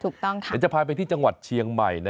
เดี๋ยวจะพาไปที่จังหวัดเชียงใหม่